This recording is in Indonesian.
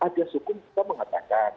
ada sukun kita mengatakan